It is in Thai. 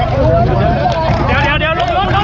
สวัสดีครับทุกคน